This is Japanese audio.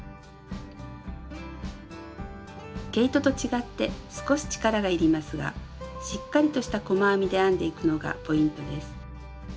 毛糸と違って少し力がいりますがしっかりとした細編みで編んでいくのがポイントです。